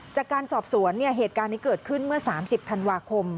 จากการสอบสวนเหตุการณ์นี้เกิดขึ้นเมื่อ๓๐ธันวาคม